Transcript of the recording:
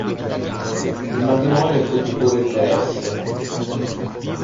Il matrimonio fu di puro interesse.